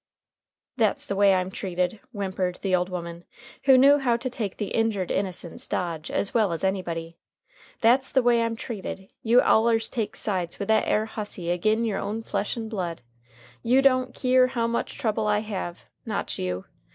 "That's the way I'm treated," whimpered the old woman, who knew how to take the "injured innocence" dodge as well as anybody. "That's the way I'm treated. You allers take sides with that air hussy agin your own flesh and blood. You don't keer how much trouble I have. Not you.